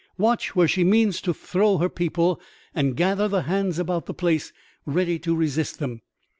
Watch where she means to throw her people and gather the hands about the place ready to resist them."